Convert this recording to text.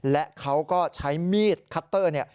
และเขาก็ใช้มีดคัตเตอร์